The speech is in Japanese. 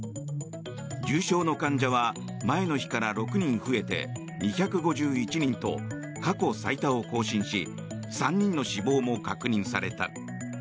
重症の患者は前の日から６人増えて２５１人と過去最多を更新し３人の死亡も確認された。